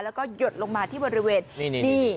แล้วก็หยดลงมาที่บริเวณนี่